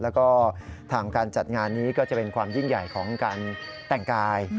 แล้วก็ทางการจัดงานนี้ก็จะเป็นความยิ่งใหญ่ของการแต่งกาย